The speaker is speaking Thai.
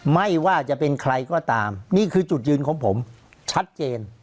ไม่ว่าจะเป็นใครก็ตามนี่คือจุดยืนของผมชัดเจน